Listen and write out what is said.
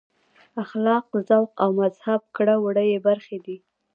اخلاق ذوق او مهذب کړه وړه یې برخې دي.